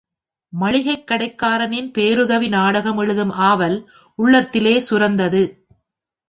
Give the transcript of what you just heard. மளிகைக் கடைக்காரரின் பேருதவி நாடகம் எழுதும் ஆவல் உள்ளத்திலே சுரந்தது.